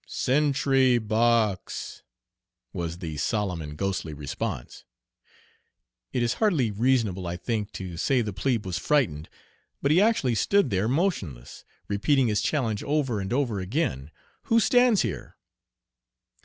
"Sentry box," was the solemn and ghostly response. It is hardly reasonable, I think, to say the plebe was frightened; but he actually stood there motionless, repeating his challenge over and over again, "Who stands here?"